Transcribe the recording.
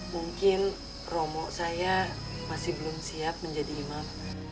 mungkin romo saya masih belum siap menjadi imam